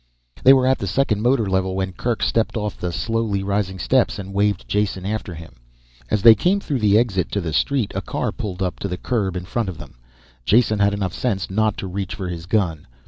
They were at the second motor level when Kerk stepped off the slowly rising steps and waved Jason after him. As they came through the exit to the street a car pulled up to the curb in front of them. Jason had enough sense not to reach for his gun.